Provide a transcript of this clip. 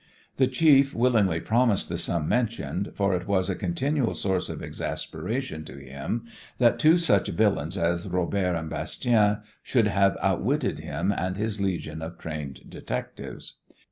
The chief willingly promised the sum mentioned, for it was a continual source of exasperation to him that two such villains as Robert and Bastien should have outwitted him and his legion of trained detectives.